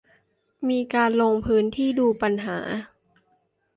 มีการลงพื้นที่ดูปัญหา